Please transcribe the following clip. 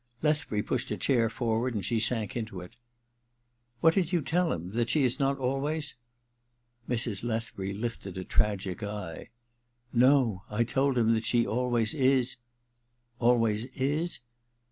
Lethbury pushed a chair forward and she sank into it. * What did you tell him f That she is nof always * Mrs. Lethbury lifted a tragic eye. * No ; I told him. that she always is '* Always is